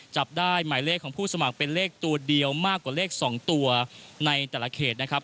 จับได้หมายเลขของผู้สมัครเป็นเลขตัวเดียวมากกว่าเลข๒ตัวในแต่ละเขตนะครับ